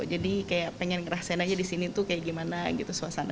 jadi kayak pengen ngerasain aja disini tuh kayak gimana gitu suasana